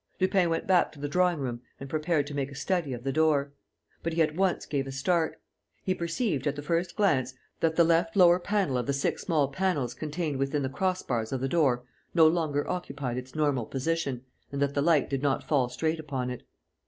Lupin went back to the drawing room and prepared to make a study of the door. But he at once gave a start. He perceived, at the first glance, that the left lower panel of the six small panels contained within the cross bars of the door no longer occupied its normal position and that the light did not fall straight upon it.